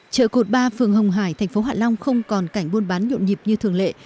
chợ cột ba phường hồng hải thành phố hạ long không còn cảnh buôn bán nhộn nhịp như thường lệ